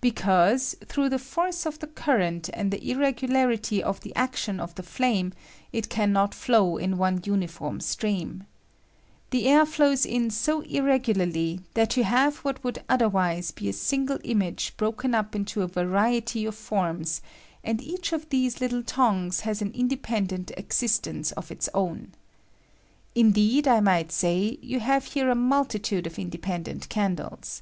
Be cause, through the force of the current and the irregularity of the action of the flame, it can not flow in one uniform stream. The air flows in so irregularly that you have what would ahlft " J A2IALTSIS OF FLAME. 37 r otherwise be a single image broken up into a variety of forraa, and each of these little tongues has an independent existence of its own. Indeed, I might say, jou have here a multitude I of independent candles.